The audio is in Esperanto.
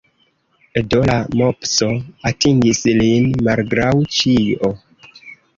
Do la mopso atingis lin, malgraŭ ĉio.